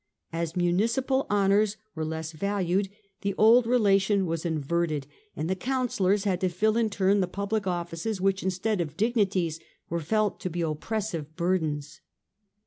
As municipal honours were less valued, the old relation was inverted, and the councillors had to fill in turn the public offices, which instead of dignities were felt to be oppressive burdens.